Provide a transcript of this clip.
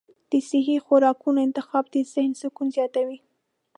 د صحي خوراکونو انتخاب د ذهن سکون زیاتوي.